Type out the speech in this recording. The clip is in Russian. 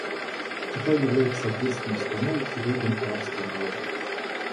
Китай является ответственной страной и другом арабского народа.